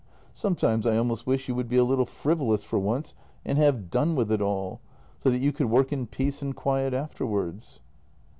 Ugh! Sometimes I almost wish you would be a little frivolous for once and have done with it all, so that you could work in peace and quiet afterwards."